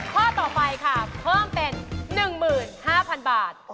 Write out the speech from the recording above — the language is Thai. ข้อต่อไปค่ะเพิ่มเป็น๑๕๐๐๐บาท